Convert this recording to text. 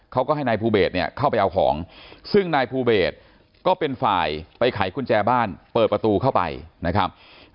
เขาก็ให้นายภูเบสเนี่ยเข้าไปเอาของซึ่งนายภูเบสก็เป็นฝ่ายไปไขกุญแจบ้านเปิดประตูเข้าไปนะครับ